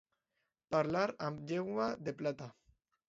Parlar amb llengua de plata.